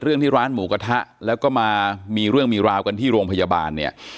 ที่ร้านหมูกระทะแล้วก็มามีเรื่องมีราวกันที่โรงพยาบาลเนี่ย